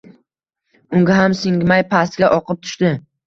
unga ham singmay, pastga oqib tushdi.